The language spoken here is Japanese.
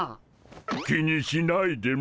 気にしないでモ。